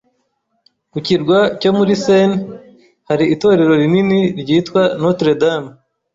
Ku kirwa cyo muri Seine, hari itorero rinini ryitwa Notre Dame.